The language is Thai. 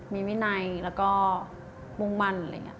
มีมินัยแล้วก็มุมมั่น